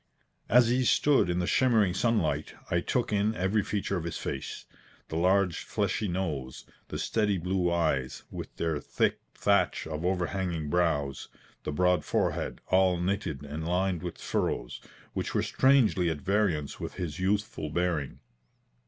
As he stood in the shimmering sunlight, I took in every feature of his face. The large, fleshy nose; the steady blue eyes, with their thick thatch of overhanging brows; the broad forehead, all knitted and lined with furrows, which were strangely at variance with his youthful bearing.